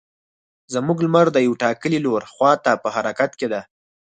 زموږ لمر د یو ټاکلي لور خوا ته په حرکت کې ده.